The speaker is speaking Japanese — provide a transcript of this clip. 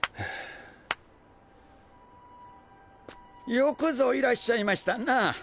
よくぞいらっしゃいましたな。